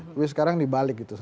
tapi sekarang dibalik gitu